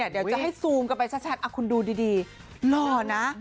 เดี๋ยวจะให้ซูมกันไปชัดคุณดูดีหล่อนะ